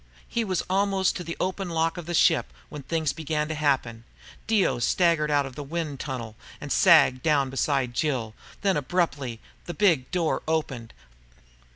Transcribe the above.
He was almost to the open lock of the ship when things began to happen. Dio staggered out of the wind tunnel and sagged down beside Jill. Then, abruptly, the big door opened.